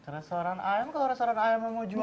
restoran ayam kalo restoran ayam yang mau jualin